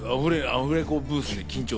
アフレコブースで緊張。